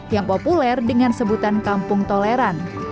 yang populer dengan sebutan kampung toleran